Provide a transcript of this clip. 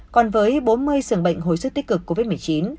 còn với bốn mươi sường bệnh hồi sức tích cực covid một mươi chín